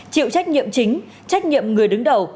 chịu trách nhiệm chính trách nhiệm người đứng đầu